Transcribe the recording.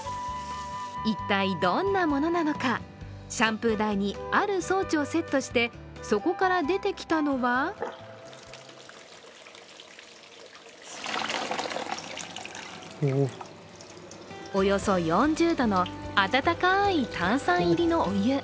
一体どんなものなのかシャンプー台にある装置をセットして、そこから出てきたのはおよそ４０度の温かい炭酸入りのお湯。